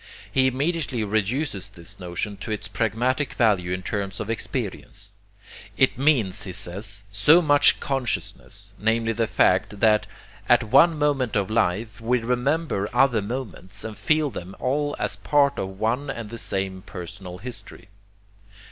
He immediately reduces this notion to its pragmatic value in terms of experience. It means, he says, so much consciousness,' namely the fact that at one moment of life we remember other moments, and feel them all as parts of one and the same personal history.